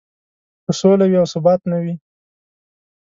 که سوله وي او ثبات نه وي.